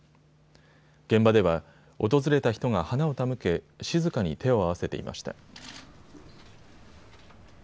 現場では訪れた人が花を手向け静かに手を合わせていました。